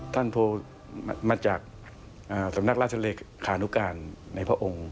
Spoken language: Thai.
ท่านโทรมาจากสำนักราชเลขานุการในพระองค์